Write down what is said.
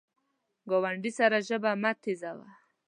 ګاونډي سره ژبه مه تیزوه